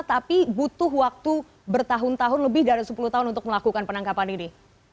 tapi butuh waktu bertahun tahun lebih dari sepuluh tahun untuk melakukan penangkapan ini